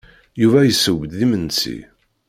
Yuba yesseww-d imensi.